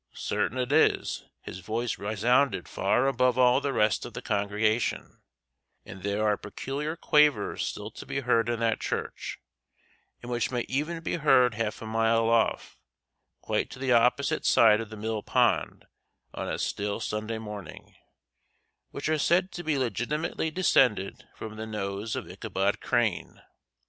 Certain it is, his voice resounded far above all the rest of the congregation, and there are peculiar quavers still to be heard in that church, and which may even be heard half a mile off, quite to the opposite side of the mill pond on a still Sunday morning, which are said to be legitimately descended from the nose of Ichabod Crane.